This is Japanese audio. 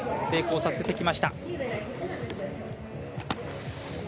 成功させてきました。